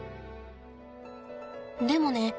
でもね